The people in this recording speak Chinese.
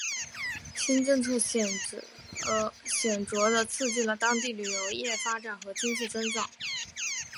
新政策显着地刺激了当地旅游业发展和经济增长。